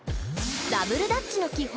ダブルダッチの基本。